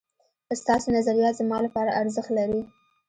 ستاسو نظريات زما لپاره ارزښت لري